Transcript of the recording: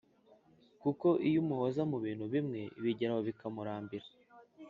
kuko iyo umuhoza mu bintu bimwe bigera aho bikamurambira